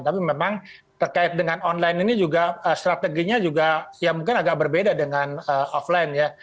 tapi memang terkait dengan online ini juga strateginya mungkin agak berbeda dengan offline